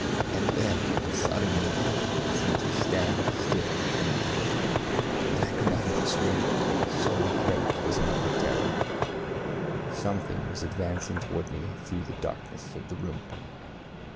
And then, suddenly, my heart seemed to stand still in my bosom, and I could not even scream, so great was my terror. Something was advancing toward me through the darkness of the room.